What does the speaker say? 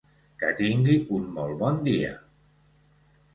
Que tingui un molt bon dia.